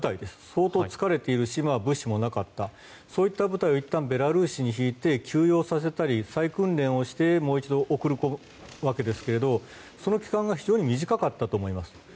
相当疲れているし物資もなかったという部隊をいったんベラルーシにいって休養させたり再訓練させてもう一度送るわけですがその期間が非常に短かったと思います。